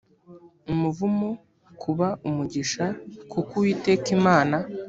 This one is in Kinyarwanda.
umuvumo kuba umugisha kuko uwiteka imana